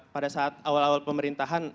pada saat awal awal pemerintahan